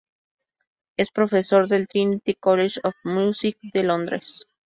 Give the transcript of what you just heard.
Es profesor del Trinity College of Music de Londres.